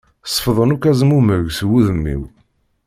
Sefḍen akk azmumeg seg wudem-iw.